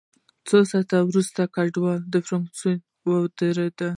څو ساعته وروسته ګاډی په فرانکفورټ کې ودرېد